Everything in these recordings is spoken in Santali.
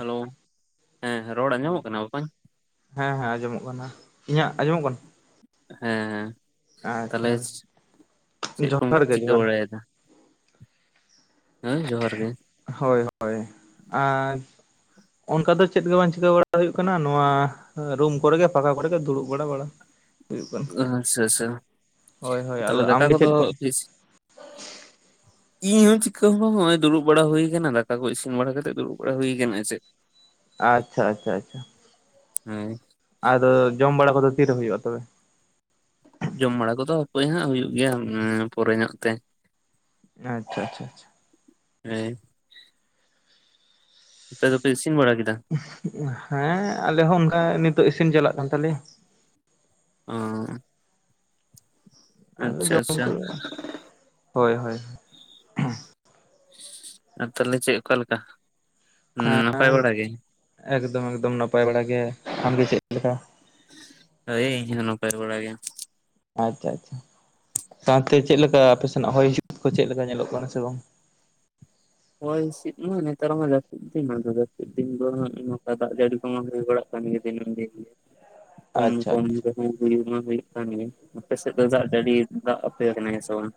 ᱦᱮᱞᱳ ᱦᱮᱸ ᱨᱚᱲ ᱟᱸᱡᱚᱢᱚᱜ ᱦᱮᱸ ᱠᱟᱱᱟ ᱵᱚᱠᱚᱧ ᱦᱮᱸ ᱦᱮᱸ ᱟᱸᱡᱚᱢᱚᱜ ᱠᱟᱱᱟ ᱤᱧᱟᱹᱜ ᱟᱸᱡᱚᱢᱚᱜ ᱠᱟᱱᱟ᱾ ᱦᱮᱸ ᱟᱪᱪᱷᱟ ᱛᱟᱦᱚᱞᱮ ᱦᱳᱭ ᱪᱮᱫ ᱠᱚᱢ ᱡᱚᱦᱟᱨ ᱜᱮ ᱪᱤᱠᱟᱹ ᱡᱚᱦᱟᱨ ᱵᱟᱲᱟᱭᱮᱫᱟ᱾ ᱦᱮᱸ ᱡᱚᱦᱟᱨ ᱜᱮ ᱦᱳᱭ ᱦᱳᱭ ᱟᱨ ᱚᱱᱠᱟ ᱫᱚ ᱪᱮᱫ ᱜᱮ ᱵᱟᱝ ᱪᱤᱠᱟᱹ ᱵᱟᱲᱟ ᱦᱩᱭᱩᱜ ᱠᱟᱱᱟ ᱱᱚᱣᱟ ᱨᱩᱢ ᱠᱚᱨᱮᱜ ᱯᱷᱟᱠᱟ ᱠᱚᱨᱮ ᱫᱩᱲᱩᱵ ᱵᱲᱟ ᱟᱪᱷᱟ ᱟᱪᱷᱟ ᱦᱳᱭ ᱦᱳᱭ ᱛᱟᱦᱞᱮ ᱟᱫᱚ ᱫᱟᱠᱟ ᱟᱢᱜᱮ ᱠᱚᱫᱚ ᱪᱮᱫ ᱠᱚ ᱤᱥ ᱤᱧᱦᱚᱸ ᱪᱤᱠᱟᱹ ᱱᱚᱜ ᱚᱭ ᱫᱩᱲᱩᱵ ᱵᱟᱲᱟ ᱦᱩᱭᱠᱟᱱᱟ ᱫᱟᱠᱟ ᱠᱚ ᱤᱥᱤᱱ ᱵᱟᱲᱟ ᱠᱟᱛᱮ ᱫᱩᱲᱩᱵ ᱵᱟᱲᱟ ᱦᱩᱭ ᱟᱠᱟᱱᱟ ᱪ ᱥᱮ [inaudible] ᱟᱪᱷᱟ ᱟᱪᱷᱟ ᱟᱪᱷᱟ ᱦᱮᱸ ᱟᱫᱚ ᱡᱚᱢ ᱵᱟᱲᱟ ᱠᱚᱫᱚ ᱛᱤᱨᱮ ᱦᱩᱭᱩᱜ-ᱟ ᱛᱚᱵᱮ ᱡᱚᱢ ᱵᱟᱲᱟ ᱠᱚᱫᱚ ᱚᱠᱚᱭ ᱦᱟᱸᱜ ᱦᱩᱭᱩᱜ ᱜᱮᱭᱟ ᱯᱚᱨᱮ ᱧᱚᱜ ᱛᱮ ᱟᱪᱷᱟ ᱟᱪᱷᱟ ᱟᱪᱷᱟ [inaudible] ᱦᱮᱸ ᱟᱯᱮ ᱫᱚᱯᱮ ᱤᱥᱤᱱ ᱵᱟᱲᱟ ᱠᱮᱫᱟ ᱦᱮᱸ ᱟᱞᱮ ᱦᱚᱸ ᱚᱱᱠᱟ ᱱᱤᱛᱚᱜ ᱤᱥᱤᱱ ᱪᱟᱞᱟᱜ ᱠᱟᱱ ᱛᱟᱞᱮᱭᱟ [unintelligible] ᱟᱫᱚ ᱟᱪᱷᱟ ᱡᱚᱢ ᱟᱪᱷᱟ ᱠᱚ ᱦᱳᱭ ᱦᱳᱭ [inaudible] ᱟᱨ ᱛᱟᱦᱚᱞᱮ ᱪᱮᱫ ᱚᱠᱟ ᱞᱮᱠᱟ ᱱᱟᱯᱟᱭ ᱦᱮᱸ ᱵᱟᱲᱟ ᱜᱮ ᱮᱠᱫᱚᱢ ᱮᱠᱫᱚᱢ ᱱᱟᱯᱟᱭ ᱵᱟᱲᱟ ᱜᱮ ᱟᱢᱜᱮ ᱪᱮᱫ ᱞᱮᱠᱟ ᱳᱭ ᱤᱧ ᱱᱚᱯᱲᱟ ᱜᱮᱭᱟ ᱟᱪᱷᱟ ᱟᱪᱷᱟ ᱥᱟᱶᱛᱮ ᱪᱮᱫᱞᱮᱠᱟ ᱟᱯᱮ ᱥᱮᱱᱟᱜ ᱦᱚᱭ ᱦᱤᱸᱥᱤᱫ ᱠᱚ ᱪᱮᱫ ᱞᱮᱠᱟ ᱧᱮᱞᱚᱜ ᱠᱟᱱᱟ ᱥᱮ ᱵᱟᱝ ᱦᱚᱭ ᱦᱤᱸᱥᱤᱫ ᱢᱟ ᱱᱮᱛᱟᱨ ᱢᱟ ᱡᱟᱹᱥᱛᱤ ᱫᱤᱱ ᱢᱟ ᱡᱟᱹᱥᱛᱤ ᱫᱤᱱ ᱫᱚ ᱱᱚᱝᱠᱟ ᱫᱟᱜ ᱡᱟᱹᱲᱤ ᱠᱚᱢᱟ ᱦᱩᱭ ᱵᱟᱲᱟᱜ-ᱟ ᱜᱮ ᱫᱤᱱ ᱫ [unintelligible] ᱟᱪᱪᱷᱟ ᱢᱟ ᱦᱩᱭᱩᱜ ᱠᱟᱱ ᱜᱮ ᱟᱯᱮ ᱥᱮᱫ ᱫᱚ ᱫᱟᱜ ᱟᱹᱰᱤ ᱫᱟᱜ ᱟᱯᱮ ᱠᱟᱱᱟ ᱥᱮ ᱵᱟᱝ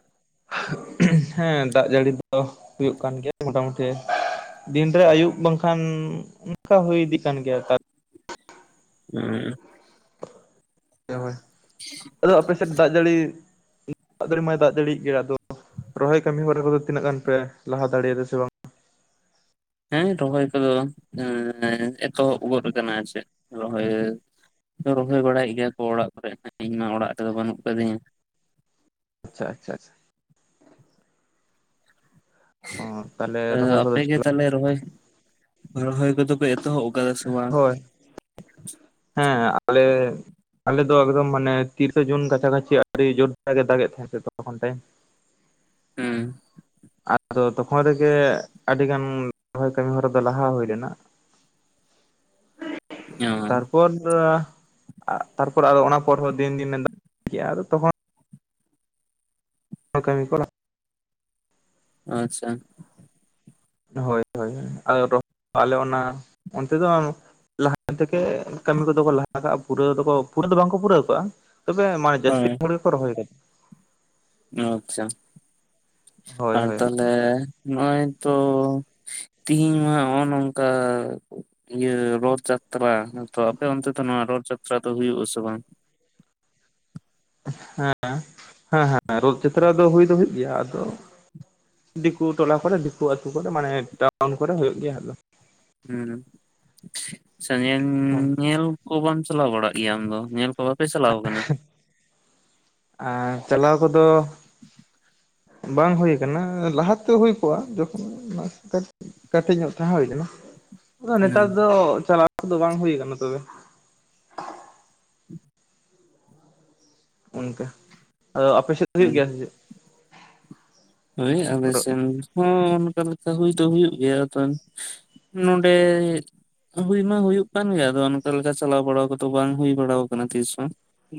ᱦᱮᱸ ᱫᱟᱜ ᱡᱟᱹᱲᱤ ᱫᱚ ᱦᱩᱭᱩᱜ ᱠᱟᱱ ᱜᱮᱭᱟ ᱢᱳᱴᱟᱢᱩᱴᱤ ᱫᱤᱱᱨᱮ ᱟᱹᱭᱩᱵ ᱵᱟᱝᱠᱷᱟᱱ ᱱᱚᱱᱠᱟ ᱦᱩᱭ ᱤᱫᱤᱜ ᱠᱟᱱ ᱜᱮᱭᱟ ᱟᱨ ᱦᱩᱸ ᱦᱳᱭ ᱟᱫᱚ ᱟᱯᱮ ᱥᱮᱫ ᱫᱟᱜ ᱡᱟᱹᱲᱤ ᱫᱟᱜ ᱫᱟᱲᱮ ᱢᱟᱭ ᱫᱟᱜ ᱫᱟᱲᱤᱭᱟᱜ ᱜᱮ ᱟᱫᱚ ᱨᱚᱦᱚᱭ ᱠᱟᱹᱢᱤ ᱦᱚᱨᱟ ᱠᱚᱫᱚ ᱛᱤᱱᱟᱹᱜ ᱜᱟᱱ ᱯᱮ ᱞᱟᱦᱟ ᱫᱟᱲᱮᱭᱟᱫᱟ ᱥᱮ ᱵᱟᱝ ᱦᱮᱸ ᱨᱚᱦᱚᱭ ᱠᱚᱫᱚ [unintelligible] ᱮᱛᱚᱦᱚᱵ ᱜᱚᱫ ᱠᱟᱱᱟ ᱟᱨ ᱪᱮᱫ ᱨᱚᱦᱚᱭ ᱨᱚᱦᱚᱭ ᱵᱟᱲᱟᱭᱮᱜ ᱜᱮᱭᱟ ᱠᱚ ᱚᱲᱟᱜ ᱠᱚᱨᱮ ᱤᱧ ᱢᱟ ᱚᱲᱟᱜ ᱨᱮᱫᱚ ᱵᱟᱹᱱᱩᱜ ᱠᱟᱹᱫᱤᱧᱟ ᱟᱪᱪᱷᱟ ᱟᱪᱪᱷᱟ ᱚ ᱛᱟᱦᱚᱞᱮ ᱨᱚᱦᱚᱭ ᱠᱚᱫᱚ ᱟᱯᱮ ᱜᱮ ᱛᱟᱦᱚᱞᱮ ᱨᱚᱦᱚᱭ ᱨᱚᱦᱚᱭ ᱠᱚᱫᱚ ᱠᱚ ᱮᱛᱚᱦᱚᱵ ᱠᱟᱫᱟ ᱥᱮ ᱵᱟᱝ ᱦᱳᱭ ᱦᱮᱸ ᱟᱞᱮ ᱟᱞᱮ ᱫᱚ ᱮᱠᱫᱚᱢ ᱢᱟᱱᱮ ᱛᱤᱨᱤᱥᱮ ᱡᱩᱱ ᱠᱟᱪᱷᱟ ᱠᱟᱪᱷᱤ ᱟᱹᱰᱤ ᱡᱳᱨ ᱫᱟᱜ ᱜᱮᱫ ᱫᱟᱜ ᱜᱮᱫ ᱛᱟᱦᱮᱱ ᱥᱮ ᱛᱚ ᱠᱷᱚᱱ ᱴᱟᱭᱮᱢ ᱦᱩ ᱟᱫᱚ ᱛᱚᱠᱷᱚᱱ ᱨᱮᱜᱮ ᱟᱹᱰᱤ ᱜᱟᱱ ᱨᱚᱦᱚᱭ ᱠᱟᱹᱢᱤ ᱦᱚᱨᱟ ᱫᱚ ᱞᱟᱦᱟ ᱦᱩᱭ ᱞᱮᱱᱟ [unintelligible] [unintelligible] ᱛᱟᱨᱯᱚᱨ ᱟᱫᱚ ᱚᱱᱟ ᱯᱚᱨ ᱦᱚᱸ ᱫᱤᱱ ᱫᱤᱱᱮ ᱫᱟ ᱠᱮᱜ-ᱟ ᱟᱫᱚ ᱛᱚᱠᱷᱚᱱ [unintelligible] ᱟᱪᱪᱷᱟ ᱦᱳᱭ ᱦᱳᱭ [unintelligible] ᱟᱞᱮ ᱚᱱᱟ ᱚᱱᱛᱮ ᱫᱚ ᱞᱟᱦᱟ ᱛᱮᱠᱮ ᱠᱟᱹᱢᱤ ᱠᱚᱫᱚ ᱠᱚ ᱞᱟᱦᱟ ᱠᱟᱜ-ᱟ ᱯᱩᱨᱟᱹ ᱫᱚᱠᱚ ᱯᱩᱨᱟᱹ ᱫᱚ ᱵᱟᱝᱠᱚ ᱯᱩᱨᱟᱹᱣ ᱠᱟᱜ-ᱟ ᱛᱚᱵᱮ ᱢᱟ ᱡᱟᱹᱥᱛᱤ ᱦᱳᱭ ᱦᱩᱲᱩ ᱜᱮ ᱨᱚᱦᱚᱭ ᱫᱟ᱾ ᱟᱪᱪᱷᱟ ᱦᱳᱭ ᱟᱨ ᱦᱳᱭ ᱛᱟᱦᱞᱮ [unintelligible] ᱱᱚᱜ-ᱚᱭ ᱛᱚ ᱛᱮᱦᱤᱧ ᱢᱟ ᱚ ᱱᱚᱝᱠᱟ ᱤᱭᱟᱹ ᱨᱚᱛ ᱡᱟᱛᱨᱟ ᱛᱚ, ᱟᱯᱮ ᱚᱱᱛᱮ ᱫᱚ ᱱᱚᱣᱟ ᱨᱚᱛ ᱡᱟᱛᱨᱟ ᱫᱚ ᱦᱩᱭᱩᱜ ᱟᱥᱮ ᱵᱟᱝ? [unintelligible] ᱨᱚᱛ ᱡᱟᱛᱨᱟ ᱫᱚ ᱦᱩᱭ ᱫᱚ ᱦᱩᱭᱩᱜ ᱜᱮᱭᱟ ᱟᱫᱚ ᱫᱤᱠᱩ ᱴᱚᱞᱟ ᱠᱚᱨᱮ ᱫᱤᱠᱩ ᱟᱹᱛᱩ ᱠᱚᱨᱮ ᱢᱟᱱᱮ ᱴᱟᱣᱩᱱ ᱠᱚᱨᱮ ᱦᱩᱭᱩᱜ ᱜᱮᱭᱟ ᱟᱫᱚ ᱦᱩᱸ ᱦᱳᱭ [unintelligible] ᱧᱮᱞ ᱠᱚ ᱵᱟᱝ ᱪᱟᱞᱟᱣ ᱵᱟᱲᱟᱜ ᱜᱮᱭᱟ ᱟᱢ ᱫᱚ ᱧᱮᱞ ᱠᱚ ᱵᱟᱯᱮ ᱪᱟᱞᱟᱣ ᱠᱟᱱᱟ ᱟᱨ ᱪᱟᱞᱟᱣ ᱠᱚᱫᱚ ᱵᱟᱝ ᱦᱩᱭ ᱠᱟᱱᱟ ᱞᱟᱦᱟᱛᱮ ᱦᱩᱭ ᱠᱚᱜ-ᱟ [unintelligible] ᱠᱟᱹᱴᱤᱡ ᱧᱚᱜ ᱛᱟᱦᱮᱸ ᱦᱩᱭ ᱞᱮᱱᱟ ᱦᱩᱸ ᱱᱮᱛᱟᱨ ᱫᱚ ᱪᱟᱞᱟᱜ ᱠᱚᱫᱚ ᱵᱟᱝ ᱦᱩᱭ ᱠᱟᱱᱟ ᱛᱚᱵᱮ ᱚᱱᱠᱟ ᱟᱫᱚ ᱟᱯᱮ ᱥᱮᱫ ᱫᱚ ᱦᱩᱭᱩᱜ ᱦᱩᱸ ᱜᱮᱭᱟ ᱥᱮ ᱪᱮᱫ ᱦᱳᱭ ᱟᱞᱮ ᱨᱚᱫ ᱥᱮᱱ ᱦᱚᱸ ᱚᱱᱠᱟ ᱞᱮᱠᱟ ᱦᱩᱭ ᱫᱚ ᱦᱩᱭᱩᱜ ᱜᱮᱭᱟ ᱟᱫᱚ ᱱᱚᱰᱮ ᱦᱩᱭ ᱢᱟ ᱦᱩᱭᱩᱜ ᱠᱟᱱ ᱜᱮᱭᱟ ᱟᱫᱚ ᱚᱱᱠᱟ ᱞᱮᱠᱟ ᱪᱟᱞᱟᱣ ᱵᱟᱲᱟ ᱠᱚᱫᱚ ᱵᱟᱝ ᱦᱩᱭ ᱵᱟᱲᱟ ᱠᱟᱱᱟ ᱛᱤᱥᱦᱚᱸ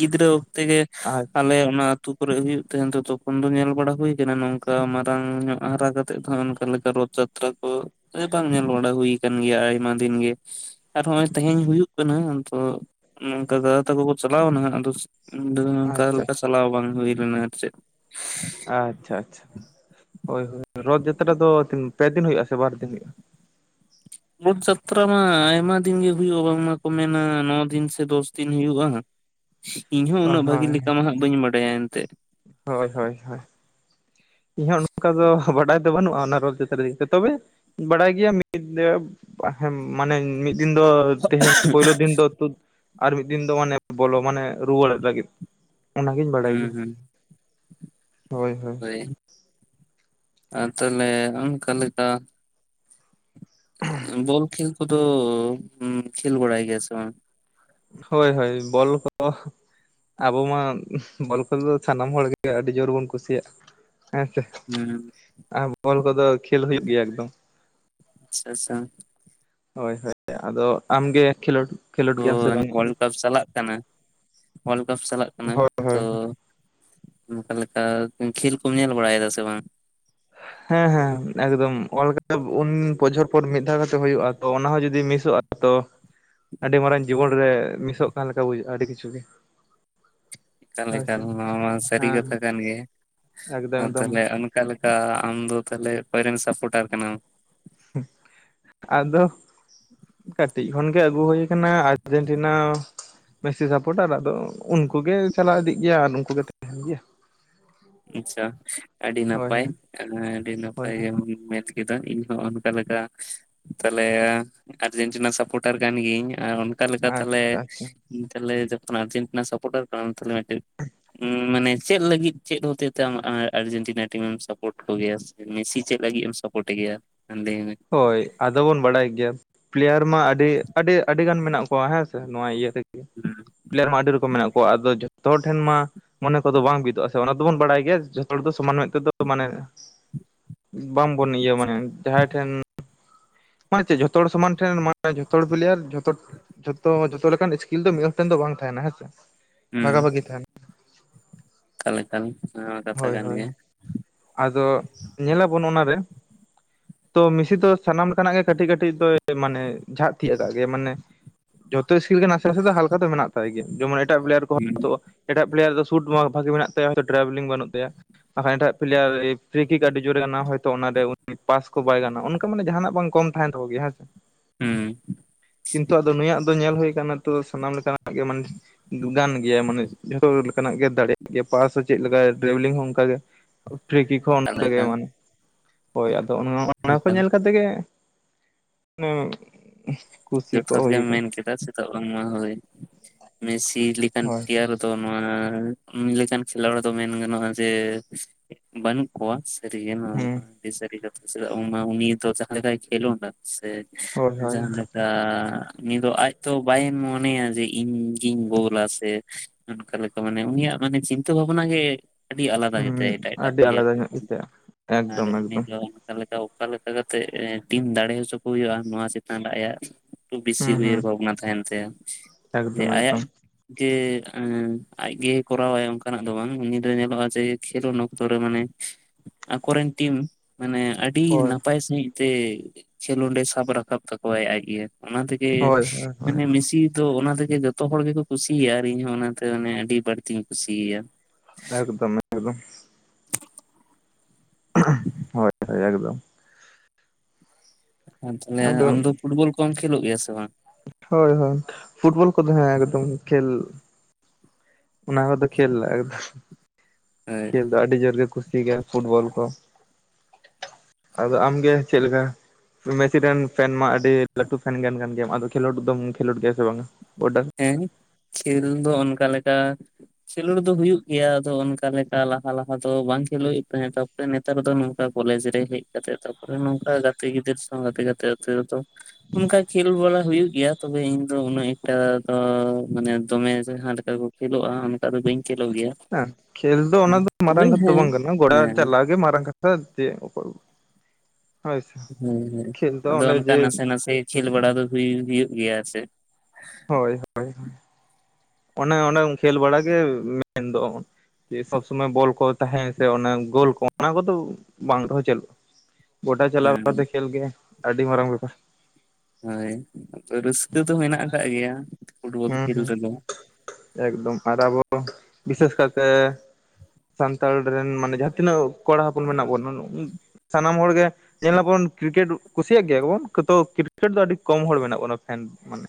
ᱜᱤᱫᱽᱨᱟᱹ ᱚᱠᱛᱮ ᱜᱮ ᱟᱪᱪᱷᱟ ᱟᱞᱮ ᱚᱱᱟ ᱟᱹᱛᱩ ᱠᱚᱨᱮ ᱦᱩᱭᱩᱜ ᱛᱟᱦᱮᱱ ᱫᱚ ᱛᱚᱠᱷᱚᱱ ᱫᱚ ᱧᱮᱞ ᱵᱟᱲᱟ ᱦᱩᱭ ᱠᱟᱱᱟ ᱱᱚᱝ ᱢᱟᱨᱟᱝ ᱧᱚᱜ ᱦᱟᱨᱟ ᱠᱟᱛᱮᱜ ᱫᱚ ᱚᱱᱠᱟ ᱞᱮᱠᱟ ᱨᱚᱛ ᱡᱟᱛᱨᱟ ᱠᱚ [unintelligible] ᱧᱮᱞ ᱵᱟᱲᱟ ᱦᱩᱭ ᱠᱟᱱ ᱜᱮᱭᱟ ᱟᱭᱢᱟ ᱫᱤᱱ ᱜᱮ᱾ ᱟᱨ ᱦᱚᱸᱜ-ᱚᱭ ᱛᱮᱦᱮᱧ ᱦᱩᱭᱩᱜ ᱠᱟᱱᱟ ᱟᱫᱚ ᱱᱚᱝᱠᱟ ᱫᱟᱫᱟ ᱛᱟᱠᱚ ᱠᱚ ᱪᱟᱞᱟᱣᱱᱟ ᱟᱫᱚ [unintelligible] ᱟᱪᱪᱷᱟ ᱞᱮᱠᱟ ᱟᱪᱪᱷᱟ ᱪᱟᱞᱟᱣ ᱵᱟᱝ ᱦᱩᱭ ᱞᱮᱱᱟ ᱟᱨ ᱪᱮᱫ ᱟᱪᱪᱷᱟ ᱟᱪᱪᱷᱟ ᱦᱳᱭ ᱦᱳᱭ ᱨᱚᱛ ᱡᱟᱛᱨᱟ ᱫᱚ ᱯᱮ ᱫᱤᱱ ᱦᱩᱭᱩᱜ-ᱟ ᱥᱮ ᱵᱟᱨ ᱫᱤᱱ ᱦᱩᱭᱩᱜ-ᱟ [unintelligible] ᱡᱟᱛᱨᱟ ᱢᱟ ᱟᱭᱢᱟ ᱫᱤᱱ ᱜᱮ ᱦᱩᱭᱩᱜ ᱵᱟᱝᱢᱟᱠᱚ ᱢᱮᱱᱟ ᱱᱚᱭ ᱫᱤᱱ ᱥᱮ ᱫᱚᱥ ᱫᱤᱱ ᱦᱩᱭᱩᱜ-ᱟ ᱤᱧ ᱦᱚᱸ ᱚ ᱩᱱᱟᱹᱜ ᱵᱷᱟᱹᱜᱤ ᱦᱳᱭ ᱞᱮᱠᱟ ᱢᱟ ᱦᱟᱜ ᱵᱟᱹᱧ ᱵᱟᱰᱟᱭᱟ ᱮᱱᱛᱮᱜ ᱦᱳᱭ ᱦᱳᱭ ᱦᱳᱭ ᱤᱧ ᱦᱚᱸ ᱱᱚᱝᱠᱟ ᱫᱚ ᱵᱟᱰᱟᱭ ᱫᱚ ᱵᱟᱹᱱᱩᱜ-ᱟ ᱚᱱᱟ ᱨᱚᱛ ᱡᱟᱛᱨᱟ [unintelligible] ᱛᱚᱵᱮ ᱵᱟᱲᱟᱭ ᱜᱮᱭᱟ [unintelligible] ᱢᱟᱱᱮ ᱢᱤᱫ ᱫᱤᱱ ᱫᱚ ᱛᱟᱦᱮᱱᱟ ᱯᱩᱭᱞᱩ ᱫᱤᱱ ᱫᱚ [unintelligible] ᱟᱨ ᱢᱤᱫ ᱫᱤᱱ ᱫᱚ ᱢᱟᱱᱮ ᱵᱚᱞᱚ ᱢᱟᱱᱮ ᱨᱩᱣᱟᱹᱲᱮᱫ ᱞᱟᱹᱜᱤᱫ ᱚᱱᱟᱜᱤᱧ ᱵᱟᱲᱟᱭ ᱦᱩᱸ ᱜᱮᱭᱟ ᱦᱩᱸ ᱦᱳᱭ ᱦᱳᱭ ᱟᱨ ᱛᱟᱦᱚᱞᱮ ᱚᱱᱠᱟ ᱞᱮᱠᱟ ᱵᱚᱞ ᱠᱷᱮᱞ ᱠᱚᱫᱚ ᱠᱷᱮᱞ ᱵᱟᱲᱟᱭ ᱜᱮᱭᱟ ᱥᱮ ᱵᱟᱝ ᱦᱳᱭ ᱦᱳᱭ ᱵᱚᱞ ᱠᱚ ᱟᱵᱚ ᱢᱟ ᱵᱚᱞ ᱠᱷᱮᱞ ᱫᱚ ᱥᱟᱱᱟᱢ ᱦᱚᱲ ᱜᱮ ᱟᱹᱰᱤ ᱡᱳᱨ ᱵᱚᱱ ᱠᱩᱥᱤᱭᱟᱜ ᱦᱮᱸ ᱥᱮ [unintelligible] ᱟᱨ ᱵᱚᱞ ᱠᱚᱫᱚ ᱠᱷᱮᱞ ᱦᱩᱭᱩᱜ ᱜᱮᱭᱟ ᱮᱠᱫᱚᱢ ᱟᱪᱪᱷᱟ ᱟᱪᱪᱷᱟ ᱦᱳᱭ ᱦᱳᱭ ᱟᱫᱚ ᱟᱢᱜᱮ ᱠᱷᱮᱞᱳᱰ ᱠᱷᱮᱞᱳᱰ ᱛᱚ ᱜᱮᱭᱟᱢ ᱥᱮ ᱵᱟᱝ ᱚᱣᱟᱨᱞᱰ ᱠᱟᱯ ᱪᱟᱞᱟᱜ ᱠᱟᱱᱟ ᱚᱣᱟᱨᱞᱰ ᱠᱟᱯ ᱪᱟᱞᱟᱜ ᱠᱟᱱᱟ ᱦᱳᱭ ᱛᱚ ᱦᱳᱭ ᱚᱱᱠᱟ ᱞᱮᱠᱟ ᱠᱷᱮᱞ ᱠᱚᱢ ᱧᱮᱞ ᱵᱟᱲᱟᱭᱮᱫᱟ ᱥᱮ ᱵᱟᱝ ᱦᱮᱸ ᱦᱮᱸ ᱮᱠᱫᱚᱢ ᱞᱰ ᱠᱟᱯ ᱩᱱ ᱵᱚᱪᱷᱚᱨ ᱯᱚᱨ ᱢᱤᱫ ᱫᱷᱟᱣ ᱠᱟᱛᱮ ᱦᱩᱭᱩᱜᱼᱟ ᱛᱚ ᱚᱱᱟᱦᱚᱸ ᱡᱩᱫᱤ ᱢᱤᱥᱚᱜᱼᱟ ᱛᱚ ᱟᱹᱰᱤ ᱢᱟᱨᱟᱝ ᱡᱤᱵᱚᱱ ᱨᱮ ᱢᱤᱥᱚᱜ ᱠᱟᱱ ᱞᱮᱠᱟ ᱵᱩᱡᱷᱟᱹᱜᱼᱟ ᱟᱹᱰᱤ ᱠᱤᱪᱷᱩ ᱜᱮ ᱦᱳᱭ ᱠᱟᱞᱮᱠᱟᱞ ᱥᱮ ᱱᱚᱣᱟ ᱥᱟᱹᱨᱤ ᱦᱮᱸ ᱠᱟᱛᱷᱟ ᱠᱟᱱ ᱜᱮ ᱮᱠᱫᱚᱢ ᱮᱠᱫᱚᱢ ᱛᱟᱦᱚᱞᱮ ᱚᱠᱟ ᱞᱮᱠᱟ ᱟᱢ ᱫᱚ ᱛᱟᱦᱮ ᱚᱠᱚᱭᱨᱮᱢ ᱥᱟᱯᱴᱟᱨ ᱠᱟᱱᱟᱢ [unintelligible] ᱟᱫᱚ ᱠᱟᱹᱴᱤᱡ ᱠᱷᱚᱱᱜᱮ ᱟᱹᱜᱩ ᱦᱩᱭ ᱟᱠᱟᱱᱟ ᱟᱨᱡᱮᱱᱴᱤᱱᱟ ᱵᱮᱥᱤ ᱥᱟᱯᱚᱴᱟᱨ ᱟᱫᱚ ᱩᱱᱠᱩ ᱜᱮ ᱪᱟᱞᱟᱣ ᱤᱫᱤᱜ ᱜᱮᱭᱟ ᱟᱨ ᱩᱱᱠᱩ ᱜᱮ ᱛᱟᱦᱮᱱ ᱜᱮᱭᱟ ᱟᱪᱷᱟ ᱟᱹᱰᱤ ᱦᱳᱭ ᱱᱟᱯᱟᱭ ᱦᱳᱭ ᱟᱹᱰᱤ ᱱᱟᱯᱟᱭ ᱦᱳᱭ ᱜᱮᱢ ᱠᱮᱫᱟ ᱤᱧ ᱦᱚᱸ ᱚᱱᱠᱟ ᱞᱮᱠᱟ ᱛᱟᱞᱮ ᱟᱨᱡᱮᱱᱴᱤᱱᱟ ᱥᱟᱯᱳᱴᱟᱨ ᱠᱟᱱ ᱜᱤᱭᱟᱹᱧ ᱟᱨ ᱚᱱᱠᱟ ᱞᱮᱠᱟ ᱟᱪᱪᱷᱟ ᱛᱟᱦᱞᱮ ᱟᱪᱪᱷᱟ ᱛᱟᱦᱮ ᱡᱚᱠᱷᱚᱱ ᱟᱨᱡᱮᱱᱴᱤᱱᱟ ᱥᱟᱯᱴᱟᱨ ᱠᱟᱱᱟ ᱛᱟᱦᱮ ᱢᱤᱫᱴᱮᱱ ᱢᱟᱱᱮ ᱪᱮᱫ ᱞᱟᱹᱜᱤᱫ ᱪᱮᱫ ᱦᱚᱛᱮᱡ ᱛᱮ ᱟᱢ ᱟᱨᱡᱮᱱᱴᱤᱱᱟ ᱴᱤᱢᱮᱢ ᱥᱟᱯᱳᱨᱴ ᱠᱚᱜᱮᱭᱟ ᱥᱮ ᱢᱮᱥᱤ ᱪᱮᱫ ᱞᱟᱹᱜᱤᱫ ᱮᱢ ᱥᱟᱯᱳᱨᱴ ᱜᱮᱭᱟ [unintelligible] ᱢᱮ ᱦᱚᱭ ᱟᱫᱚ ᱵᱚᱱ ᱵᱟᱲᱟᱭ ᱜᱮᱭᱟ ᱯᱞᱮᱭᱟᱨ ᱢᱟ ᱟᱹᱰᱤ ᱟᱹᱰᱤ ᱟᱹᱰᱤ ᱜᱟᱱ ᱢᱮᱱᱟᱜ ᱠᱚᱣᱟ ᱦᱮᱸᱥ ᱱᱚᱣᱟ ᱤᱭᱟᱹ ᱨᱮᱜᱮ ᱦᱩᱸ ᱯᱞᱮᱭᱟᱨ ᱢᱟ ᱟᱹᱰᱤ ᱨᱚᱠᱚᱢ ᱢᱮᱱᱟᱜ ᱠᱚᱣᱟ ᱟᱫᱚ ᱡᱚᱛᱚ ᱦᱚᱲ ᱴᱷᱮᱱ ᱢᱟ ᱢᱚᱱᱮ ᱠᱚᱫᱚ ᱵᱟᱝ ᱵᱤᱫᱚᱜ ᱟᱥᱮ ᱚᱱᱟ ᱫᱚᱵᱚᱱ ᱵᱟᱲᱟᱭ ᱜᱮᱭᱟ ᱡᱚᱛᱚ ᱦᱚᱲ ᱫᱚ ᱥᱚᱢᱟᱱ ᱢᱮᱫ ᱛᱮᱫᱚ ᱢᱟᱱᱮ ᱵᱟᱝ ᱵᱚᱱ ᱤᱭᱟᱹ ᱢᱟᱱᱮ ᱡᱟᱦᱟᱸᱭ ᱴᱷᱮᱱ ᱢᱟᱱᱮ ᱪᱮᱫ ᱡᱷᱚᱛᱚ ᱦᱚᱲ ᱥᱚᱢᱟᱱ ᱴᱷᱮᱱ ᱢ ᱡᱚᱛᱚ ᱦᱚᱲ ᱯᱞᱮᱭᱟᱨ ᱡᱚᱛᱚ ᱡᱚᱛᱚ ᱡᱚᱛᱚ ᱞᱮᱠᱟᱱ ᱥᱠᱤᱞ ᱫᱚ ᱢᱤᱫ ᱦᱚᱲ ᱴᱮᱱ ᱫᱚ ᱵᱟᱝ ᱛᱟᱦᱮᱱᱟ ᱦᱮᱸᱥᱮ ᱵᱷᱟᱜᱟ ᱵᱷᱟᱜᱤ ᱛᱟᱦᱮᱱᱟ ᱛᱟᱞᱮ ᱛᱟᱞ ᱦᱚᱭ ᱦᱚᱭ ᱟᱫᱚ ᱧᱮᱞᱟᱵᱚᱱ ᱚᱱᱟᱨᱮ ᱛᱚ ᱢᱤᱥᱤ ᱫᱚ ᱥᱟᱱᱟᱢ ᱞᱮᱠᱟᱱᱟᱜ ᱜᱮ ᱠᱟᱹᱴᱤᱡ ᱠᱟᱹᱴᱤᱡ ᱫᱚ ᱢᱟᱱᱮ ᱡᱷᱟᱜ ᱛᱤᱭᱤᱭᱟ ᱟᱠᱟᱫ ᱜᱮᱭᱟ ᱢᱟᱱᱮ ᱡᱚᱛ ᱥᱠᱤᱞ ᱜᱮ ᱱᱟᱥᱮ ᱱᱟᱥᱮ ᱫᱚ ᱦᱟᱞᱠᱟ ᱫᱚ ᱢᱮᱱᱟᱜ ᱛᱟᱭ ᱜᱮᱭᱟ ᱡᱮᱢᱚᱱ ᱮᱴᱟᱜ ᱯᱞᱮᱭᱟᱨ ᱦᱩᱸ ᱠᱚᱛᱚᱜᱼᱟ ᱮᱴᱟᱜ ᱯᱞᱮᱭᱟᱨ ᱫᱚ ᱥᱩᱴ ᱵᱷᱟᱜᱮ ᱢᱮᱱᱟᱜ ᱛᱟᱭᱟ ᱴᱨᱟᱵᱷᱮᱞᱤᱝ ᱵᱟᱹᱱᱩᱜ ᱛᱟᱭᱟ ᱟᱨᱟᱱ ᱮᱴᱟᱜ ᱞᱨᱤᱭᱟᱨ ᱯᱷᱨᱤ ᱠᱚ ᱟᱹᱰᱤ ᱡᱳᱨ ᱠᱟᱱᱟ ᱦᱚᱛᱚ ᱚᱱᱟᱨᱮ ᱩᱱᱤ ᱯᱟᱥ ᱠᱚ ᱵᱟᱭ ᱜᱟᱱ ᱚᱱᱠᱟ ᱢᱟᱱᱮ ᱡᱟᱦᱟᱱᱟᱜ ᱵᱟᱝ ᱠᱚᱢ ᱦᱟᱜ [unintelligible] [inaudible] ᱠᱤᱱᱛᱩ ᱟᱫᱚ ᱱᱩᱭᱟᱜ ᱫᱚ ᱧᱮᱞ ᱦᱩᱭᱩᱭᱟ ᱟᱠᱟᱱᱟ ᱛᱚ ᱥᱟᱱᱟᱢ ᱞᱮᱠᱟᱱᱟᱜ ᱜᱮ ᱢᱟᱱᱮ ᱜᱟᱱ ᱜᱮᱭᱟ ᱢᱟᱱᱮ ᱡᱷᱚᱛᱚ ᱞᱮᱠᱟᱱᱟᱜ ᱜᱮ ᱫᱟᱲᱮᱭᱟᱜ ᱜᱮᱭᱟ ᱯᱟᱥ ᱪᱮᱫᱠᱟ ᱴᱨᱟᱵᱷᱮᱞᱤᱝ ᱦᱚᱸ ᱚᱱᱠᱟᱜᱮ ᱴᱨᱮᱠ ᱦᱚᱸ ᱮᱠᱟᱞ ᱚᱱᱠᱟᱜᱮ ᱮᱠᱟᱞ ᱢᱟᱱᱮ ᱦᱚᱭ ᱟᱫᱚ ᱚᱱᱟ ᱚᱱᱟ ᱠᱚ ᱮᱠᱟᱞ ᱧᱮᱞ ᱠᱟᱛᱮ ᱜᱮ ᱠᱩᱥᱤ ᱠᱚ ᱡᱚᱛᱷᱟᱛ ᱦᱩᱭ ᱜᱮᱢ ᱟᱠᱟᱱᱟ ᱢᱮᱱ ᱠᱮᱫᱟ ᱪᱮᱫᱟᱜ ᱵᱟᱝᱢᱟ ᱦᱚᱭ ᱢᱮᱥᱤ ᱞᱮᱠᱟᱱ ᱦᱳᱭ ᱯᱨᱮᱭᱟᱨ ᱫᱚ ᱱᱚᱣᱟ ᱞᱮᱠᱟᱱ ᱠᱷᱮᱞᱳᱣᱟᱲ ᱫᱚ ᱢᱮᱱ ᱜᱟᱱᱚᱜᱼᱟ ᱡᱮ ᱵᱟᱱᱩ ᱠᱚᱣᱟ ᱥᱟᱹᱨᱤᱜᱮ ᱦᱮᱸ ᱫᱤᱥᱟᱹᱨᱤ ᱠᱟᱛᱷᱟ ᱪᱮᱫᱟᱜ ᱵᱟᱝ ᱢᱟ ᱩᱱᱤ ᱫᱚ ᱡᱟᱦᱟᱸ ᱞᱮᱠᱟᱭ ᱠᱷᱮᱞᱳᱜ ᱮᱱᱟ ᱥᱮ ᱦᱳᱭ ᱦᱳᱭ ᱡᱟᱦᱟᱸ ᱞᱮᱠᱟ ᱟ ᱩᱱᱤ ᱫᱚ ᱟᱡ ᱫᱚ ᱵᱟᱭ ᱢᱚᱱᱮᱭᱟ ᱡᱮ ᱤᱧ ᱜᱤᱧ ᱜᱳᱞᱟ ᱥᱮ ᱚᱱᱠᱟ ᱞᱮᱠᱟ ᱢᱟᱱᱮ ᱩᱱᱤᱭᱟᱜ ᱢᱟᱱᱮ ᱪᱤᱱᱛᱟᱹ ᱵᱷᱟᱵᱱᱟ ᱜᱮ ᱟᱹᱰᱤ ᱟᱞᱟᱫᱟ ᱜᱮᱛᱟᱭᱟ ᱦᱩᱸ ᱮᱴᱟᱜ ᱮᱴᱟᱜ ᱟᱹᱰᱤ ᱯᱮᱞᱮᱭᱟᱨ ᱟᱞᱟᱫᱟ ᱠᱚ ᱧᱚᱜ ᱠᱷᱚᱱ ᱜᱮᱛᱟᱭᱟ ᱟᱨ ᱮᱠᱫᱚᱢ ᱩᱱᱤ ᱮᱠᱫᱚᱢ ᱫᱚ ᱛᱟᱦᱞᱮᱠᱟ ᱚᱠᱟ ᱞᱮᱠᱟ ᱠᱟᱛᱮᱜ ᱴᱤᱢ ᱫᱟᱲᱮ ᱦᱚᱪᱚ ᱠᱚ ᱦᱩᱭᱩᱜᱼᱟ ᱱᱚᱣᱟ ᱪᱮᱛᱟᱱ ᱨᱮ ᱟᱭᱟᱜ ᱵᱮᱥᱤ ᱦᱩᱸ ᱦᱩᱸ ᱩᱭᱦᱟᱹᱨ ᱵᱷᱟᱵᱽᱱᱟ ᱛᱟᱦᱮᱱ ᱛᱟᱭᱟ ᱡᱮ ᱮᱠᱫᱚᱢ ᱟᱭᱟᱜ ᱮᱠᱫᱚᱢ ᱡᱮ ᱟᱡᱜᱮ ᱠᱚᱨᱟᱣᱟᱭ ᱚᱱᱠᱟᱱᱟᱜ ᱫᱚ ᱵᱟᱝ ᱩᱱᱤ ᱫᱚ ᱧᱮᱞᱚᱜᱼᱟ ᱡᱮ ᱠᱷᱮᱞ ᱚᱠᱛᱚᱨ ᱢᱟᱱ ᱠᱚᱨᱮᱱ ᱴᱤᱢ ᱢᱟᱱ ᱟᱹᱰᱤ ᱦᱳᱭ ᱱᱟᱯᱟᱭ ᱥᱟᱹᱦᱤᱡ ᱛᱮ ᱠᱷᱮᱞᱳᱸᱰᱮ ᱥᱟᱵ ᱨᱟᱠᱟᱵ ᱛᱟᱠᱚᱣᱟᱭ ᱟᱡ ᱤᱭᱟᱹ ᱚᱱᱟ ᱛᱮ ᱦᱳᱭ ᱦᱳᱭ ᱦᱳᱭ ᱢᱟᱱᱮ ᱢᱮᱥᱤ ᱛᱚ ᱚᱱᱟ ᱛᱮᱜᱮ ᱡᱚᱛᱚ ᱦᱚᱲ ᱜᱮᱠᱚ ᱠᱩᱥᱤᱭᱟᱭᱼᱟ ᱟᱨ ᱤᱧᱦ ᱚᱱᱟᱛᱮ ᱢᱟᱱᱮ ᱟᱹᱰᱤ ᱵᱟᱹᱲᱛᱤᱧ ᱠᱩᱥᱤᱭᱟᱭᱟ ᱮᱠᱫᱚᱢ ᱮᱠᱫᱚᱢ [inaudible] ᱦᱚᱭ ᱦᱚᱭ ᱮᱠᱫᱚᱢ ᱦᱮᱸ ᱛᱟᱦᱚᱞᱮ ᱟᱫᱚ ᱟᱢ ᱫᱚ ᱯᱷᱩᱴᱵᱚᱞ ᱠᱚᱢ ᱠᱷᱮᱞᱚᱜ ᱜᱮᱭᱟ ᱥᱮ ᱵᱟᱝ ᱦᱳᱭ ᱦᱳᱭ ᱯᱷᱩᱴᱵᱚᱞ ᱠᱚᱫᱚ ᱦᱮᱸ ᱮᱠᱫᱚᱢ ᱠᱷᱮᱞ ᱚᱱᱟ ᱠᱚᱫᱚ ᱠᱷᱮᱞ ᱮᱠᱫᱚᱥ ᱠᱷᱮᱞ ᱫᱚ ᱟᱹᱰᱤ ᱡᱳᱨ ᱜᱮ ᱠᱩᱥᱤ᱾ ᱴᱷᱤᱠ ᱜᱮᱭᱟ ᱯᱷᱩᱴᱵᱚᱞ ᱠᱚ ᱟᱫᱚ ᱟᱢᱜᱮ ᱪᱮᱫ ᱞᱮᱠᱟ? ᱢᱮᱥᱤ ᱨᱮᱱ ᱯᱷᱮᱱ ᱢᱟ ᱟᱹᱰᱤ ᱞᱟᱹᱴᱩ ᱯᱷᱮᱱ ᱜᱟᱱ ᱠᱟᱱ ᱜᱮᱭᱟᱢ ᱟᱫᱚ ᱠᱷᱮᱞᱳᱰ ᱫᱚᱢ ᱠᱷᱮᱞᱳᱰ ᱜᱮᱭᱟ ᱥᱮ ᱵᱟᱝᱟ ᱜᱚᱰᱟ ᱨᱮ? ᱦᱮᱝ ᱠᱷᱮᱞ ᱫᱚ ᱚᱱᱠᱟ ᱞᱮᱠᱟ ᱠᱷᱮᱞᱳᱰ ᱫᱚ ᱦᱩᱭᱩᱜ ᱜᱮᱭᱟ ᱟᱫᱚ ᱚᱱᱠᱟ ᱞᱮᱠᱟ ᱞᱟᱦᱟ ᱞᱟᱦᱟ ᱫᱚ ᱵᱟᱝ ᱠᱷᱮᱞ ᱦᱩᱭᱩᱜ ᱛᱟᱦᱮᱫ, ᱛᱟᱯᱚᱨ ᱱᱮᱛᱟᱨ ᱫᱚ ᱱᱚᱝᱠᱟ ᱠᱚᱞᱮᱡᱽ ᱨᱮ ᱦᱮᱡ ᱠᱟᱛᱮᱜ ᱛᱟᱨ ᱯᱚᱨᱮ ᱱᱚᱝᱠᱟ ᱜᱟᱛᱮ ᱜᱤᱫᱟᱹᱨ ᱥᱟᱶ ᱜᱟᱛᱮ ᱜᱟᱛᱮ ᱠᱟᱛᱮ ᱟᱹᱛᱩ, ᱚᱱᱠᱟ ᱠᱷᱮᱞ ᱵᱟᱲᱟ ᱦᱩᱭᱩᱜ ᱜᱮᱭᱟ ᱛᱚᱵᱮ ᱤᱧ ᱫᱚ ᱩᱱᱟᱹᱜ ᱮᱠᱴᱟ ᱛᱚ ᱢᱟᱱᱮ ᱫᱚᱢᱮ ᱡᱟᱦᱟᱸ ᱞᱮᱠᱟ ᱠᱚ ᱠᱷᱮᱞᱳᱜᱼᱟ, ᱚᱱᱠᱟ ᱫᱚ ᱵᱟᱹᱧ ᱠᱷᱮᱞᱚᱜ ᱜᱮᱭᱟ, ᱦᱮᱸ ᱠᱷᱮᱞ ᱫᱚ ᱚᱱᱟ ᱫᱚ ᱛᱚᱵᱮ ᱢᱟᱨᱟᱝ ᱠᱟᱛᱷᱟ ᱫᱚ ᱦᱮᱸ ᱵᱟᱝ ᱠᱟᱱᱟ ᱜᱚᱲᱟ ᱦᱮᱸ ᱪᱟᱞᱟᱣ ᱜᱮ ᱢᱟᱨᱟᱝ ᱠᱟᱛᱷᱟ ᱛᱮ ᱚᱠᱚᱭ ᱚᱠ ᱦᱮᱸ ᱦᱮᱸ ᱠᱷᱮᱞ ᱫᱚ ᱟᱫᱚ ᱚᱱᱮ ᱚᱱᱠᱟ ᱡᱮ ᱱᱟᱥᱮ ᱱᱟᱥᱮ ᱠᱷᱮᱞ ᱵᱟᱲᱟ ᱫᱚ ᱦᱩᱭ ᱦᱩᱭᱩᱜ ᱜᱮᱭᱟ ᱥᱮ᱾ ᱦᱳᱭ ᱦᱳᱭ ᱦᱳᱭ᱾ ᱚᱱᱮ ᱚᱸᱰᱮᱢ ᱠᱷᱹᱮᱞ ᱵᱟᱲᱟ ᱜᱮ ᱢᱮᱱ ᱫᱚ᱾ ᱡᱮ ᱥᱚᱵᱽ ᱥᱚᱢᱚᱭ ᱵᱚᱞ ᱠᱚ ᱛᱟᱦᱮᱸ ᱥᱮ ᱚᱱᱟ ᱜᱳᱞ ᱠᱚ ᱚᱱᱟ ᱠᱚᱫᱚ ᱵᱟᱝ ᱨᱮᱦᱚ ᱪᱟᱹᱞᱩᱜᱼᱟ᱾ ᱜᱚᱰᱟ ᱪᱟᱞᱟᱣ ᱦᱮᱸ ᱠᱟᱛᱮ ᱠᱷᱮᱞ ᱜᱮ ᱟᱹᱰᱤ ᱢᱟᱨᱟᱝ ᱵᱮᱯᱟᱨ᱾ ᱦᱳᱭ ᱟᱫᱚ ᱨᱟᱹᱥᱠᱟᱹ ᱫᱚ ᱢᱮᱱᱟᱜ ᱟᱠᱟᱫ ᱜᱮᱭᱟ ᱯᱷᱩᱴᱵᱚᱞ ᱦᱩᱸ ᱠᱷᱮᱞ ᱦᱩᱸ ᱨᱮᱫᱚ, ᱮᱠᱫᱚᱢ ᱟᱨ ᱟᱵᱚ ᱵᱤᱥᱮᱥ ᱠᱟᱨᱛᱮ ᱥᱟᱱᱛᱟᱲ ᱨᱮᱱ ᱢᱟᱱᱮ ᱡᱟᱦᱟᱸ ᱛᱤᱱᱟᱹᱜ ᱠᱚᱲᱟ ᱦᱚᱯᱚᱱ ᱢᱮᱱᱟᱜ ᱵᱚᱱ ᱢᱟᱱᱮ ᱥᱟᱱᱟᱢ ᱦᱚᱲᱜᱮ ᱧᱮᱞᱟᱵᱚᱱ ᱠᱤᱨᱠᱮᱴ ᱠᱩᱥᱤᱭᱟᱜ ᱜᱮᱭᱟ ᱠᱚᱵᱚᱱᱚ ᱠᱤᱛᱩ ᱠᱤᱨᱠᱮᱴ ᱫᱚ ᱟᱹᱰᱤ ᱠᱚᱢ ᱦᱚᱲ ᱢᱮᱱᱟᱜ ᱵᱚᱱᱟ ᱯᱷᱮᱱ ᱢᱟᱱᱮ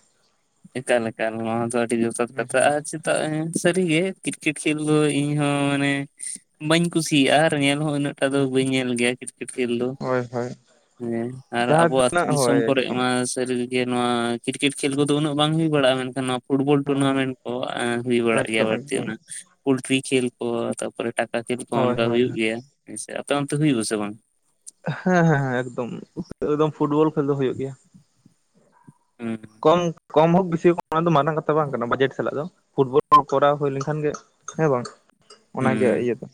ᱮᱠᱟᱞ ᱮᱠᱟᱞ ᱱᱚᱣᱟ ᱫᱚ ᱟᱹᱰᱤ ᱡᱚᱛᱷᱟᱛ ᱠᱟᱛᱷᱟ, ᱦᱩᱸ ᱟᱨ ᱪᱮᱫ ᱛᱟᱜ ᱦᱮᱸ ᱥᱟᱹᱨᱤᱜᱮ ᱠᱤᱨᱠᱮᱴ ᱠᱷᱮᱞ ᱫᱚ ᱤᱧ ᱦᱚᱸ ᱢᱟᱱᱮ ᱵᱟᱹᱧ ᱠᱩᱥᱤᱭᱟᱜᱼᱟ ᱟᱨ ᱧᱮᱞ ᱦᱚᱸ ᱩᱱᱟᱹᱜ ᱴᱟ ᱫᱚ ᱦᱩᱸ ᱵᱟᱹᱧ ᱧᱮᱞ ᱜᱮᱭᱟ ᱠᱤᱨᱠᱮᱴ ᱠᱷᱮᱞ ᱫᱚ᱾ ᱦᱳᱭ ᱦᱳᱭ ᱦᱮᱸ ᱟᱨ ᱡᱟᱦᱟᱸ ᱟᱵᱚ ᱟᱹᱛᱩ ᱛᱤᱱᱟᱹᱜ ᱫᱤᱥᱚᱢ ᱦᱳᱭ ᱠᱚᱨᱮ ᱮᱠᱫᱚᱢ ᱢᱟ ᱥᱟᱹᱨᱤ ᱜᱤ ᱡᱮ ᱱᱚᱣᱟ ᱠᱤᱨᱠᱮᱴ ᱠᱷᱮᱞ ᱠᱚᱫᱚ ᱩᱱᱟᱹᱜ ᱵᱟᱝ ᱦᱩᱭ ᱵᱟᱲᱟᱜᱼᱟ ᱢᱮᱱᱠᱷᱟᱱ ᱱᱚᱣᱟ ᱯᱷᱩᱴᱵᱚᱞ ᱴᱩᱨᱱᱟᱢᱮᱱᱴ ᱠᱚ ᱦᱩᱭ ᱵᱟᱲᱟᱜ ᱜᱮᱭᱟ ᱮᱠᱫᱚᱢ ᱵᱟᱹᱲᱛᱤ ᱮᱠᱫᱚᱢ ᱚᱱᱟ ᱯᱚᱞᱴᱨᱤ ᱠᱷᱮᱞ ᱠᱚ ᱛᱟᱯᱚᱨᱮ ᱴᱟᱠᱟ ᱠᱷᱮᱞ ᱠᱷᱚᱸ ᱦᱳᱭ ᱚᱱᱠᱟ ᱦᱳᱭ ᱦᱩᱭᱩᱜ ᱜᱮᱭᱟ ᱦᱟᱹᱭ ᱥᱮ ᱟᱯᱮ ᱚᱱᱛᱮ ᱦᱩᱭᱩᱜ ᱟᱥᱮ ᱵᱟᱝ? ᱦᱮᱸ ᱦᱮᱸ ᱦᱮᱸ ᱮᱠᱫᱚᱢ ᱮᱠᱫᱚᱢ ᱯᱷᱩᱴᱵᱚᱞ ᱠᱷᱮᱞ ᱫᱚ ᱦᱩᱭᱩᱜ ᱜᱮᱭᱟ᱾ ᱦᱮᱸ ᱠᱚᱢ ᱦᱳᱠ ᱵᱤᱥᱤ ᱦᱳᱠ ᱚᱱᱟ ᱫᱚ ᱢᱟᱨᱟᱝ ᱠᱟᱛᱷᱟ ᱵᱟᱝ ᱠᱟᱱᱟ ᱵᱟᱡᱮᱴ ᱥᱟᱞᱟᱜ ᱫᱚ ᱯᱷᱩᱴᱵᱚᱞ ᱠᱷᱮᱞ ᱠᱚᱨᱟᱣ ᱦᱩᱭ ᱞᱮᱠᱷᱟᱱ ᱜᱮ ᱦᱮᱸ ᱵᱟᱝ ᱚᱱᱟᱜᱮ ᱦᱩᱸ ᱤᱭᱟᱹ ᱫᱚ᱾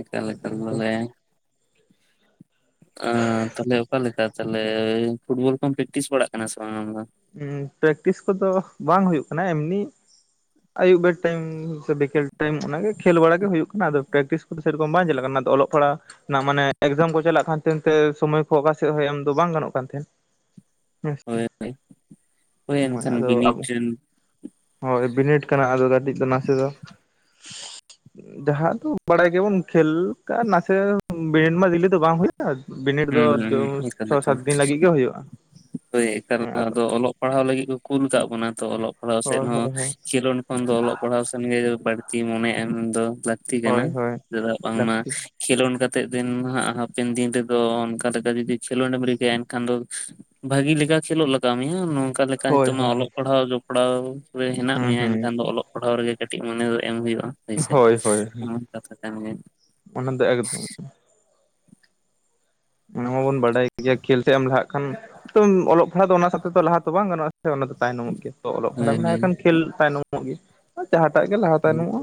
ᱮᱠᱟᱞ ᱮᱠᱟᱞ ᱵᱚᱞᱮ ᱟᱸ ᱛᱟᱦᱚᱞᱮ ᱚᱠᱟᱞᱮᱠᱟ ᱛᱟᱦᱚᱞᱮ ᱯᱷᱩᱴᱵᱚᱞ ᱠᱚᱢ ᱯᱮᱠᱴᱤᱥ ᱵᱟᱲᱟᱜ ᱠᱟᱱᱟ ᱥᱮ ᱵᱟᱝ ᱟᱢ ᱫᱚ? ᱮᱸ ᱯᱮᱠᱴᱤᱥ ᱠᱚᱫᱚ ᱵᱟᱝ ᱦᱩᱭᱩᱜ ᱠᱟᱱᱟ, ᱮᱢᱱᱤ ᱟᱹᱭᱩᱵ ᱵᱮᱨ ᱴᱟᱭᱤᱢ ᱥᱮ ᱵᱤᱠᱮᱞ ᱴᱟᱭᱤᱢ ᱚᱱᱟ ᱜᱮ ᱠᱷᱮᱞ ᱵᱟᱲᱟ ᱜᱮ ᱦᱩᱭᱩᱜ ᱠᱟᱱᱟ ᱟᱫᱚ ᱯᱮᱠᱴᱤᱥ ᱟᱫᱚ ᱥᱮᱤ ᱨᱚᱠᱚᱢ ᱵᱟᱭ ᱧᱮᱞᱚᱜ ᱠᱟᱱᱟ ᱟᱫᱚ ᱚᱞᱚᱜ ᱯᱟᱲᱦᱟ ᱱᱟᱜ ᱢᱟᱱᱮ ᱮᱠᱥᱡᱟᱢ ᱠᱚ ᱪᱟᱞᱟᱜ ᱠᱟᱱ ᱛᱟᱦᱮᱫ ᱛᱮ ᱥᱚᱢᱚᱭ ᱠᱚ ᱚᱠᱟ ᱥᱮᱫ ᱦᱚᱸ ᱮᱢ ᱫᱚ ᱵᱟᱝ ᱜᱟᱱᱚᱜ ᱠᱟᱱ ᱛᱟᱦᱮᱸᱫ᱾ ᱦᱳᱭ ᱦᱳᱭ ᱦᱳ ᱮᱱᱠᱷᱟᱱ ᱟᱫᱚ ᱵᱤᱱᱤᱰ ᱨᱮᱱ ᱦᱳᱭ ᱵᱤᱱᱤᱰ ᱠᱟᱱᱟ ᱟᱫᱚ ᱠᱟᱹᱴᱤᱡ ᱫᱚ ᱱᱟᱥᱮ ᱫᱚ ᱡᱟᱦᱟᱸ ᱫᱚ ᱵᱟᱲᱟᱭ ᱜᱮᱵᱚᱱ ᱠᱷᱮᱞ ᱠᱟᱱ ᱱᱟᱥᱮ ᱫᱤᱞᱤ ᱫᱚ ᱵᱟᱝ ᱦᱩᱭᱩᱜ ᱵᱤᱱᱤᱰ ᱫᱚ ᱦᱩᱸ ᱦᱩᱸ ᱡᱳᱨ ᱮᱠᱟᱞ ᱪᱷᱚᱭ ᱮᱠᱟᱞ ᱥᱟᱛ ᱫᱤᱱ ᱞᱟᱹᱜᱤᱫ ᱜᱮ ᱦᱩᱭᱩᱜᱼᱟ, ᱦᱳᱭ ᱮᱠᱟᱞ ᱦᱮᱸ ᱟᱫᱚ ᱚᱞᱚᱜ ᱯᱟᱲᱦᱟᱣ ᱞᱟᱹᱜᱤᱫ ᱠᱚ ᱠᱩᱞ ᱠᱟᱜ ᱵᱚᱱᱟ ᱛᱚ ᱚᱞᱚᱜ ᱯᱟᱲᱦᱟᱣ ᱥᱮᱫ ᱦᱳᱭ ᱦᱚᱸ ᱦᱳᱭ ᱦᱳᱭ ᱠᱷᱮᱞᱳᱰ ᱠᱷᱚᱱ ᱫᱚ ᱚᱞᱚᱜ ᱯᱟᱲᱦᱟᱣ ᱥᱮᱱ ᱜᱮ ᱵᱟᱹᱲ ᱪᱮᱫ ᱤᱧ ᱢᱚᱱᱮ ᱮᱜ-ᱟ ᱱᱚᱣᱟ ᱫᱚ ᱞᱟᱹᱠᱛᱤ ᱠᱟᱱᱟ ᱦᱳᱭ ᱦᱳᱭ ᱪᱮᱫᱟᱜ ᱵᱟᱝᱢᱟ ᱞᱟᱹᱠᱛᱤ ᱠᱷᱮᱞᱳᱱ ᱠᱟᱛᱮᱜ ᱫᱤᱱ ᱢᱟ ᱦᱟᱜ ᱦᱟᱯᱮᱱ ᱫᱤᱱ ᱨᱮ ᱫᱚ ᱚᱱᱠᱟ ᱞᱮᱠᱟ ᱡᱩᱫᱤ ᱠᱷᱮᱞᱳᱰ ᱮᱢ ᱨᱤᱠᱟᱹᱭᱟ ᱮᱱᱠᱷᱟᱱ ᱫᱚ ᱵᱷᱟᱹᱜᱤ ᱞᱮᱠᱟ ᱠᱷᱮᱞᱳᱜ ᱞᱟᱜᱟᱣ ᱟᱢᱟ ᱦᱮᱸ ᱱᱚᱝᱠᱟ ᱞᱮᱠᱟ ᱚᱱᱠᱟ ᱦᱳᱭ ᱱᱤᱛᱚᱜ ᱢᱟ ᱦᱳᱭ ᱚᱞᱚᱜ ᱯᱟᱲᱦᱟᱣ ᱡᱚᱯᱲᱟᱣ ᱨᱮ ᱦᱮᱱᱟᱜ ᱦᱩᱸ ‌ᱢᱤᱭᱟ ᱦᱩᱸ ᱮᱱᱠᱷᱟᱱ ᱫᱚ ᱚᱞᱚᱜ ᱯᱟᱲᱦᱟᱣ ᱨᱮᱜᱮ ᱠᱟᱹᱴᱤᱡ ᱢᱚᱱᱮ ᱫᱚ ᱮᱢ ᱦᱩᱭᱩᱜᱼᱟ᱾ ᱦᱟᱹᱭ ᱥᱮᱫ ᱦᱳᱭ ᱦᱳᱭ ᱚᱱᱟ ᱦᱚᱸ ᱠᱟᱛᱷᱟ ᱠᱟᱱ ᱜᱮᱭᱟ᱾ ᱚᱱᱟ ᱫᱚ ᱮᱠᱫᱚᱢ ᱚᱱᱟ ᱢᱟᱵᱚᱱ ᱵᱟᱰᱟᱭ ᱜᱤᱭᱟ ᱠᱷᱮᱞ ᱥᱮᱫ ᱮᱢ ᱞᱟᱦᱟᱜ ᱠᱷᱟᱱ ᱛᱩᱫ ᱚᱞᱚᱜ ᱯᱟᱲᱦᱟᱜ ᱫᱚ ᱚᱱᱟ ᱥᱟᱣᱛᱮ ᱫᱚ ᱞᱟᱦᱟ ᱛᱚ ᱵᱟᱝ ᱜᱟᱱᱚᱜᱼᱟ ᱥᱮ ᱚᱱᱟ ᱛᱚ ᱛᱟᱭ ᱱᱚᱢᱚᱜ ᱜᱮᱭᱟ᱾ ᱚᱞᱚᱜ ᱦᱳᱭ ᱯᱟᱲᱦᱟᱜ ᱞᱟᱦ ᱞᱮ ᱦᱳᱭ ᱠᱷᱟᱱ ᱠᱷᱮᱞ ᱛᱟᱭᱱᱚᱢᱚᱜ ᱜᱮ ᱡᱟᱦᱟᱸᱴᱟᱜ ᱜᱮ ᱞᱟᱦᱟ ᱛᱟᱭᱱᱚᱢᱼᱟ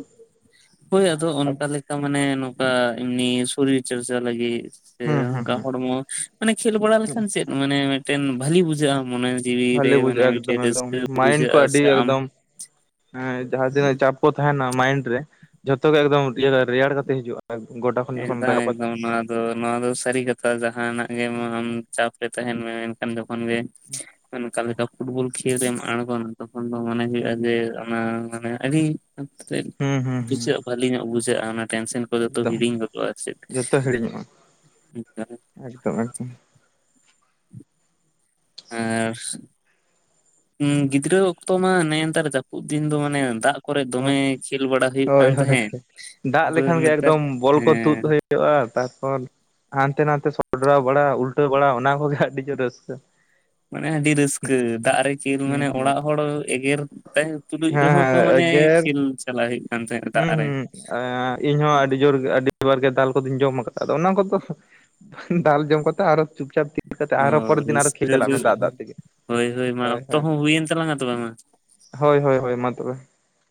ᱛᱚ ᱢᱟᱱᱮ ᱱᱚᱝᱠᱟ ᱮᱢᱱᱤ ᱥᱚᱨᱤᱨ ᱪᱚᱨᱪᱟ ᱞᱟᱹᱜᱤᱫ ᱥᱮ ᱦᱩᱸ ᱦᱩᱸ ᱚᱱᱠᱟ ᱦᱚᱲᱢᱚ ᱢᱟᱱᱮ ᱠᱷᱮᱞ ᱵᱟᱲᱟ ᱦᱩᱸ ᱞᱮᱠᱷᱟᱱ ᱪᱮᱫ ᱢᱟᱱᱮ ᱢᱤᱫᱴᱮᱱ ᱵᱷᱟᱞᱤ ᱵᱩᱡᱷᱟᱹᱜᱼᱟ ᱢᱚᱱᱮ ᱡᱤᱣᱤ ᱨᱮ ᱵᱷᱷᱟᱞᱤ ᱢᱟᱱᱮ ᱵᱩᱡᱷᱟᱹᱜᱼᱟ, ᱢᱤᱫᱴᱮᱱ ᱮᱠᱫᱚᱢ ᱮᱠᱚᱢ ᱨᱟᱹᱥᱠᱟᱹ ᱢᱟᱭᱤᱱᱰ ᱠᱚ ᱵᱩᱡᱷᱟᱹᱜᱼᱟ ᱟᱹᱰᱤ ᱥᱮ ᱟᱢ ᱮᱠᱫᱚᱢ ᱦᱮᱸ ᱡᱟᱦᱟᱸᱛᱤᱱᱟᱹᱜ ᱪᱟᱯ ᱠᱚ ᱛᱟᱦᱮᱱᱟ ᱢᱟᱭᱤᱱᱰ ᱨᱮ, ᱡᱷᱚᱛᱚ ᱜᱮ ᱮᱠᱫᱚᱢ ᱨᱮᱭᱟᱲ ᱠᱟᱛᱮ ᱦᱤᱡᱩᱜᱼᱟ᱾ ᱜᱚᱴᱟ ᱮᱠᱫᱚᱢ ᱮᱠᱫᱚᱢ ᱱᱚᱣᱟ ᱫᱚ ᱱᱚᱣᱟ ᱫᱚ ᱥᱟᱹᱨᱤ ᱠᱟᱛᱷᱟ ᱡᱟᱦᱟᱸᱱᱟᱜ ᱜᱮ ᱦᱩᱸ ᱟᱢ ᱦᱩᱸ ᱪᱟᱯ ᱨᱮ ᱛᱟᱦᱮᱱ ᱢᱮ ᱡᱚᱠᱷᱚᱱ ᱜᱮ ᱚᱱᱠᱟᱞᱮᱠᱟ ᱯᱷᱩᱴᱵᱚᱞ ᱠᱷᱮᱞ ᱨᱮᱢ ᱟᱸᱲᱜᱳᱱᱥ, ᱛᱚᱠᱷᱚᱱ ᱫᱚ ᱢᱚᱱᱮ ᱦᱩᱸ ᱦᱩᱭᱩᱜᱼᱟ ᱡᱮ ᱚᱱᱟ, ᱢᱟᱱᱮ ᱟᱹᱰᱤ ᱦᱩᱸ ᱦᱩᱸ ᱦᱩᱸ ᱦᱩᱸ ᱵᱩᱡᱷᱟᱹᱜ ᱵᱷᱟᱞᱤ ᱧᱚᱜ ᱵᱩᱡᱷᱟᱹᱜᱼᱟ ᱚᱱᱟ ᱴᱮᱱᱥᱮᱱ ᱠᱚ ᱡᱚᱛᱚ ᱮᱠᱫᱚᱢ ᱦᱤᱲᱤᱧ ᱜᱚᱫᱚᱜᱼᱟ, ᱪᱮᱫ ᱡᱚᱛᱚ ᱦᱤᱲᱤᱧᱚᱜᱼᱟ ᱮᱠᱫᱚᱢ ᱮᱠᱫᱚᱢ ᱟᱨ ᱦᱩᱸ ᱜᱤᱫᱽᱨᱟᱹ ᱚᱠᱛᱚ ᱢᱟ ᱱᱮᱜᱮ ᱱᱮᱛᱟᱨ ᱡᱟᱹᱯᱩᱫ ᱫᱤᱱ ᱫᱚ ᱢᱟᱱᱮ ᱫᱟᱜ ᱠᱚᱨᱮ ᱫᱚᱢᱮ ᱠᱷᱮᱞ ᱵᱟᱲᱟ ᱦᱩᱭᱩᱜ ᱦᱳᱭ ᱠᱟᱱ ᱦᱳᱭ ᱛᱟᱦᱮᱸᱫ ᱟᱫᱚ ᱱᱮᱛᱟᱨ, ᱦᱮᱸ [unintelligible] ᱦᱼᱟ ᱛᱟᱨᱯᱚᱨ ᱦᱟᱱᱛᱮ ᱱᱟᱛᱮ ᱥᱚᱰᱨᱟᱣ ᱵᱟᱲᱟ ᱩᱞᱴᱟᱹ ᱵᱟᱲᱟ ᱚᱱᱟ ᱠᱚᱜᱮ ᱟᱹᱰᱤ ᱡᱳᱨ ᱨᱟᱹᱥᱠᱟᱹ᱾ ᱢᱟᱱᱮ ᱟᱹᱰᱤ ᱨᱟᱹᱥᱠᱟᱹ, ᱫᱟᱜ ᱨᱮ ᱡᱤᱞ ᱦᱩᱸ ᱢᱟᱱᱮ ᱦᱩᱸ ᱚᱲᱟᱜ ᱦᱚᱲ ᱮᱜᱮᱨ ᱛᱟᱭ ᱛᱩᱞᱩᱡ ᱦᱮᱸ ᱨᱮᱦᱚᱸ ᱦᱮᱸ ᱠᱚ ᱢᱟᱱᱮ ᱮᱜᱮᱨ ᱠᱷᱮᱞ ᱪᱟᱞᱞᱟᱟᱜ ᱦᱩᱭᱩᱜ ᱠᱟᱱ ᱛᱟᱦᱮᱸᱱᱟ ᱫᱟᱜ ᱦᱩᱸ ᱨᱮ᱾ ᱦᱩᱸ ᱤᱧᱦᱚᱸ ᱟᱹᱰᱤ ᱡᱳᱨ ᱟᱹᱰᱤ ᱵᱟᱨ ᱜᱮ ᱫᱟᱞ ᱠᱚᱫᱚᱧ ᱡᱚᱢ ᱟᱠᱟᱫᱟ ᱟᱫᱚ ᱚᱱᱟ ᱠᱚᱫᱚ ᱫᱟᱞ ᱡᱚᱢ ᱠᱟᱛᱮ ᱟᱨᱚ ᱪᱩᱯᱪᱟᱯ ᱛᱤᱭᱳᱜ ᱠᱟᱛᱮ ᱚ ᱟᱨᱚ ᱯᱚᱨᱮᱨ ᱫᱤᱱ ᱟᱨᱚ ᱠᱷᱮᱞ ᱨᱟᱹᱥᱠᱟᱹ ᱪᱟᱞᱟᱜ ᱫᱚ ᱢᱮ ᱫᱟᱜ ᱫᱟᱜ ᱛᱮᱜᱮ ᱦᱳᱭ ᱦᱳᱭ ᱢᱟ ᱚᱠᱛᱚ ᱦᱚᱸ ᱦᱩᱭᱮᱱ ᱛᱟᱞᱟᱝᱟ ᱛᱚᱵᱮ ᱢᱟ᱾ ᱦᱳᱭ ᱦᱳᱭ ᱦᱳᱭ ᱢᱟ ᱛᱚᱵᱮ᱾